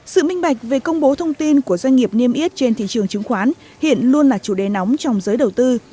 sự minh bạch về công bố thông tin của doanh nghiệp niêm yết trên thị trường chứng khoán hiện luôn là chủ đề nóng trong giới đầu tư